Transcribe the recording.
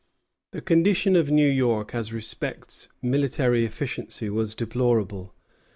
The condition of New York as respects military efficiency was deplorable.